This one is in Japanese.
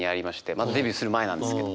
まだデビューする前なんですけど。